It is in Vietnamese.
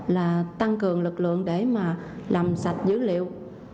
là tăng cường lực lượng để mà làm sạch dữ liệu